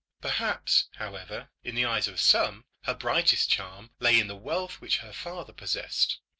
Perhaps, however, in the eyes of some her brightest charm lay in the wealth which her father possessed.